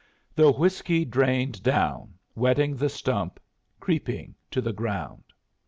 The whiskey drained down, wetting the stump, creeping to the ground.